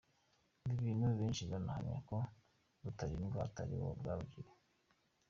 Ibi bituma benshi banahamya ko Rutalindwa atari uwa Rwabugili.